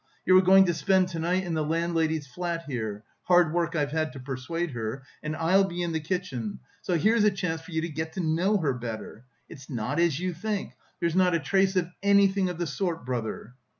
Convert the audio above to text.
You are going to spend to night in the landlady's flat here. (Hard work I've had to persuade her!) And I'll be in the kitchen. So here's a chance for you to get to know her better.... It's not as you think! There's not a trace of anything of the sort, brother...!"